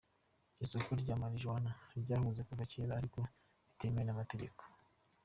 Isoko rya Marijuana ryahoze ho kuva na cyera ariko ritemewe n’amategeko.